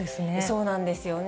そうなんですよね。